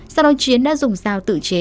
sau đó chiến đã dùng dao tự chế